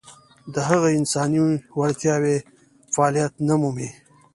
د هغه انساني وړتیاوې فعلیت نه مومي.